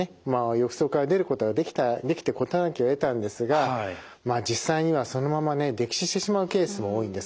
浴槽から出ることができて事なきを得たんですがまあ実際にはそのままね溺死してしまうケースも多いんです。